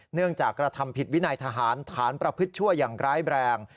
เนื่องจากกระทำผิดวินัยทหารฐานประพฤติชั่วยังร้ายแบรง